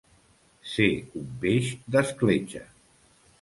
Ser un peix d'escletxa.